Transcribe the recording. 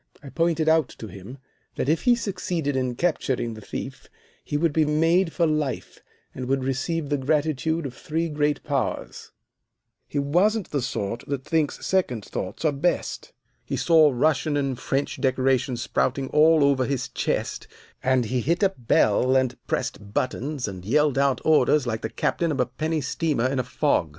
I pointed out to him that if he succeeded in capturing the thief he would be made for life, and would receive the gratitude of three great powers. [Illustration: 12 Threw everything in the dressing case out on the floor] "He wasn't the sort that thinks second thoughts are best. He saw Russian and French decorations sprouting all over his chest, and he hit a bell, and pressed buttons, and yelled out orders like the captain of a penny steamer in a fog.